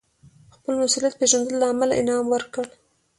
د خپل مسوولیت پېژندلو له امله انعام ورکړ.